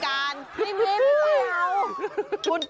มันไม่มีพี่พยาว